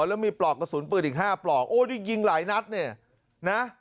แล้วมีปลอกกระสุนปืนอีก๕ปลอกโอ้นี่ยิงหลายนัดเนี่ยนะ